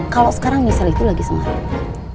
kalo sekarang michelle itu lagi sama rifki